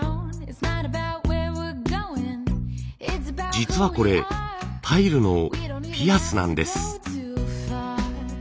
実はこれタイルのピアスなんです。